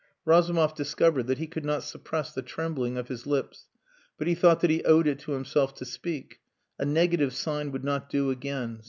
Razumov discovered that he could not suppress the trembling of his lips. But he thought that he owed it to himself to speak. A negative sign would not do again.